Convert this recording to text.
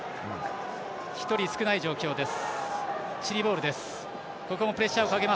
１人少ない状況です。